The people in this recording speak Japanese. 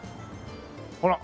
ほら！